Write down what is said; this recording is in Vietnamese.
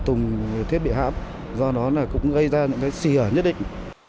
từng thiết bị hãm do đó cũng gây ra những cái xỉa nhất định